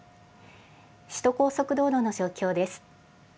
首都高速道路の状況です。